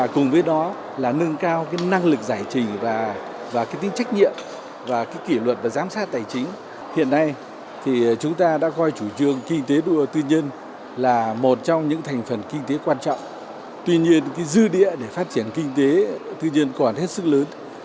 tuy nhiên dư địa để phát triển kinh tế tư nhân còn hết sức lớn